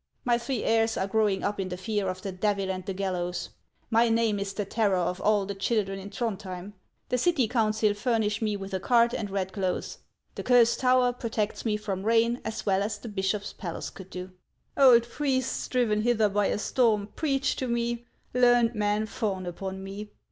My three heirs are growing up in the fear of the Devil and the gallows. My name is the terror of all the children in Throndhjem. The city council furnish me with a cart lf>6 HANS OF ICELAND. and red clothes. The Cursed Tower protects me from rain as well as the bishop's palace could do. Old priests, driven hither by a storm, preach to me ; learned men fawn upon me.